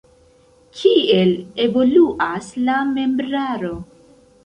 Kiel evoluas la membraro?